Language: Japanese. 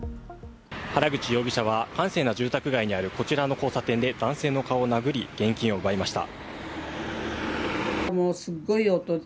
原口容疑者は閑静な住宅街にあるこちらの交差点で男性の顔を殴り、現金を奪いました。